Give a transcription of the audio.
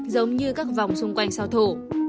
giống như các vòng xung quanh sao thủ